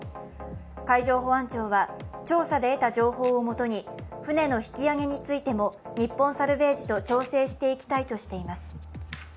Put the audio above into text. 海上保安庁は調査で得た情報を元に船の引き揚げについても日本サルヴェージと調整していきたいとしています。